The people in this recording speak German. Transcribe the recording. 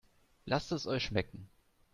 Lasst es euch schmecken!